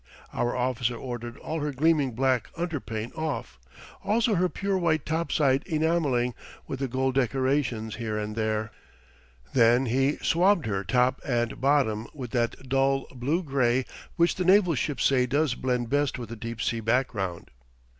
Our officer ordered all her gleaming black underpaint off, also her pure white topside enamelling with the gold decorations here and there; then he swabbed her top and bottom with that dull blue gray which the naval sharps say does blend best with a deep sea background.